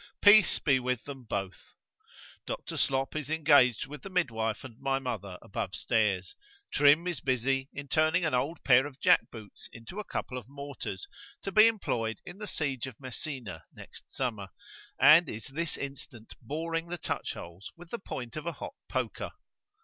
——Peace be with them both!——Dr. Slop is engaged with the midwife and my mother above stairs.——Trim is busy in turning an old pair of jack boots into a couple of mortars, to be employed in the siege of Messina next summer—and is this instant boring the touch holes with the point of a hot poker.